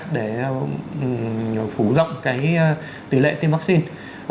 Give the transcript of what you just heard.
để phủ rộng tỷ lệ tiêm vaccine